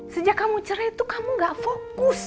sejak kamu cerai itu kamu gak fokus